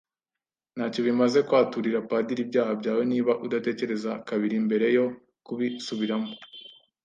Ntacyo bimaze kwaturira padiri ibyaha byawe niba udatekereza kabiri mbere yo kubisubiramo.